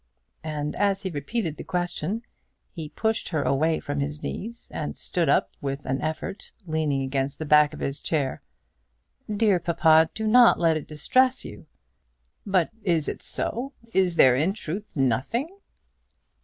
And as he repeated the question he pushed her away from his knees and stood up with an effort, leaning against the back of his chair. "Dear papa, do not let this distress you." "But is it so? Is there in truth nothing?"